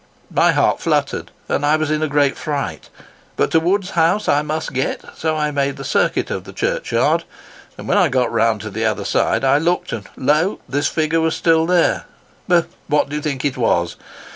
My heart fluttered, and I was in a great fright, but to Wood's house I must get, so I made the circuit of the Churchyard; and when I got round to the other side I looked, and lo! the figure was still there. But what do you think it was?